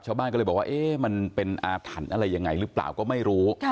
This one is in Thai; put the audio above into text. ชาวบ้านก็เลยบอกว่ามันเป็นอาถรรพ์อะไรยังไงหรือเปล่าก็ไม่รู้